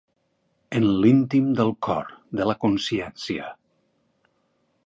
En l'íntim del cor, de la consciència.